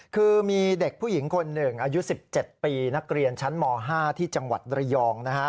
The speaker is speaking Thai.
คือมีเด็กผู้หญิงคนหนึ่งอายุ๑๗ปีนักเรียนชั้นม๕ที่จังหวัดระยองนะฮะ